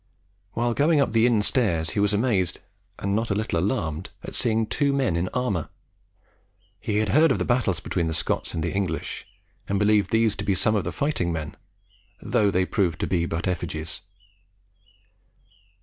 While going up the inn stairs he was amazed and not a little alarmed at seeing two men in armour he had heard of the battles between the Scots and English and believed these to be some of the fighting men; though they proved to be but effigies.